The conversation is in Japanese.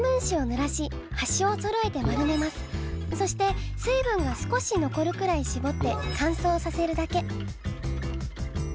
そして水分が少し残るくらいしぼって乾燥させるだけ。